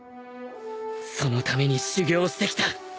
そのために修行してきた